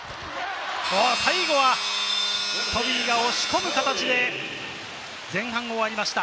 最後はトビーが押し込む形で前半が終わりました。